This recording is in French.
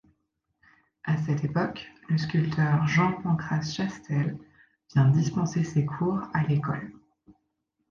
À cette époque, le sculpteur Jean-Pancrace Chastel vient dispenser ses cours à l'école.